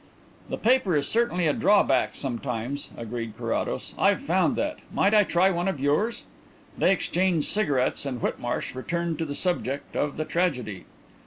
"The paper is certainly a drawback sometimes," agreed Carrados. "I've found that. Might I try one of yours?" They exchanged cigarettes and Whitmarsh returned to the subject of the tragedy.